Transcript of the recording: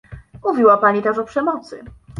Mówiła Pani też o przemocy